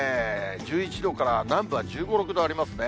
１１度から、南部は１５、６度ありますね。